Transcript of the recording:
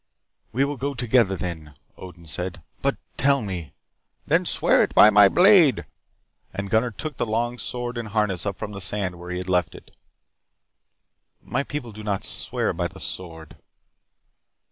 "We will go together, then," Odin said. "But tell me " "Then swear it by my blade." And Gunnar took the long sword and harness up from the sand where he had left it. "My people do not swear by the sword."